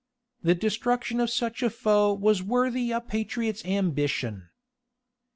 The destruction of such a foe was worthy a patriot's ambition.